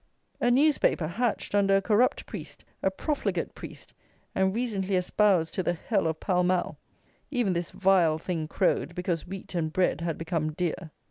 _ A newspaper hatched under a corrupt Priest, a profligate Priest, and recently espoused to the hell of Pall Mall; even this vile thing crowed because wheat and bread had become dear!